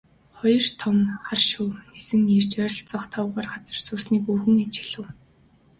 Хоёр том хар шувуу нисэн ирж ойролцоох товгор газарт суусныг өвгөн ажиглав.